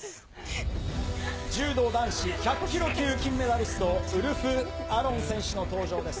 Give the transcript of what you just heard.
柔道男子１００キロ級金メダリスト、ウルフ・アロン選手の登場です。